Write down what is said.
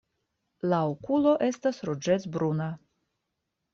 La okulo estas ruĝecbruna.